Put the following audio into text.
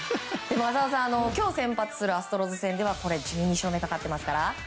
浅尾さん、今日、先発するアストロズ戦では１２勝目がかかってますから。